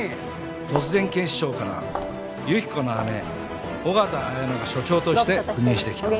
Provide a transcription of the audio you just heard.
突然警視庁から由紀子の姉緒方綾乃が署長として赴任してきた。